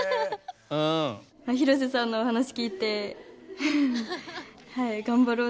広瀬さんのお話聞いて頑張ろうって。